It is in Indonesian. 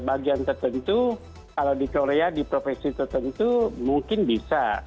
bagian tertentu kalau di korea di profesi tertentu mungkin bisa